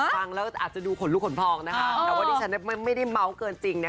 ฟังแล้วอาจจะดูขนลุกขนพองนะคะแต่วันนี้ฉันไม่ได้เมาส์เกินจริงนะ